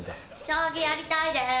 将棋やりたいです